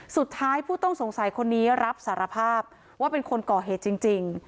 สุดท้ายผู้ต้องสงสัยคนนี้รับสารภาพว่าเป็นคนก่อเหตุจริง